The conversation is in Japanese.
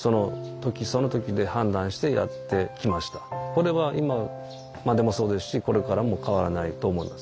これは今までもそうですしこれからも変わらないと思います。